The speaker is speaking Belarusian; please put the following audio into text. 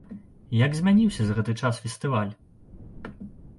Як змяніўся за гэты час фестываль?